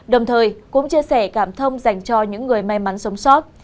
đồng thời cũng chia sẻ cảm thông dành cho những người may mắn sống sót